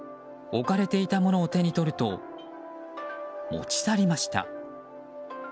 置かれていたものを手に取ると持ち去りました。